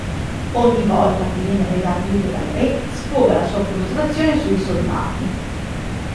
Ogni volta che viene redarguito dal re sfoga la sua frustrazione sui soldati.